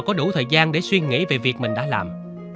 có đủ thời gian để suy nghĩ về việc mình đã làm